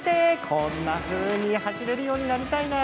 こんなふうに走れるようになりたいな。